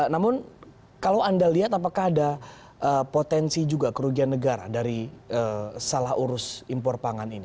namun kalau anda lihat apakah ada potensi juga kerugian negara dari salah urus impor pangan ini